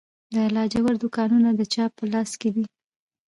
د لاجوردو کانونه د چا په لاس کې دي؟